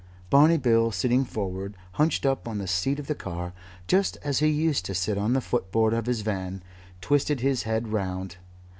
Barney Bill, sitting forward, hunched up, on the seat of the car, just as he used to sit on the footboard of his van, twisted his head round.